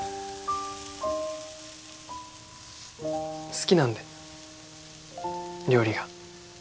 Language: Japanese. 好きなんで料理が。